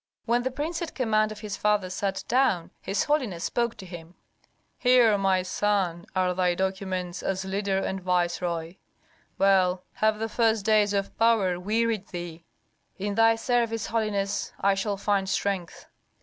When the prince at command of his father sat down, his holiness spoke to him, "Here, my son, are thy documents as leader and viceroy. Well, have the first days of power wearied thee?" "In thy service, holiness, I shall find strength."